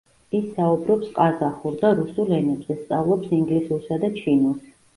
ის საუბრობს ყაზახურ და რუსულ ენებზე, სწავლობს ინგლისურსა და ჩინურს.